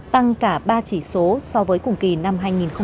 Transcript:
tăng cả ba chỉ số so với cùng kỳ năm hai nghìn một mươi tám